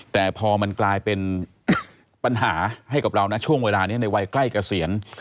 แต่พอมันกลายเป็นปัญหาให้กับเรานะช่วงเวลานี้ในวัยใกล้เกษียณ